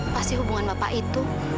pasti hubungan bapak itu